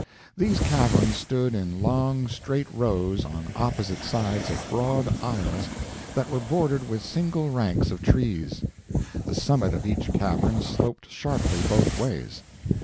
These caverns stood in long, straight rows on opposite sides of broad aisles that were bordered with single ranks of trees. The summit of each cavern sloped sharply both ways.